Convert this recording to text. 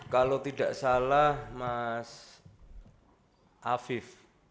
kalau tidak salah mas afif